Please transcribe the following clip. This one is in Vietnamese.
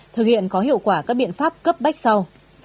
thực hiện có hiệu quả các biện pháp cấp bách sau